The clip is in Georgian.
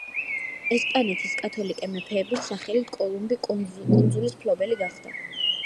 ესპანეთის „კათოლიკე მეფეების“ სახელით კოლუმბი კუნძულის მფლობელი გახდა.